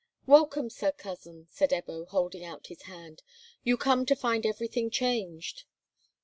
"Welcome, Sir Cousin," said Ebbo, holding out his hand. "You come to find everything changed."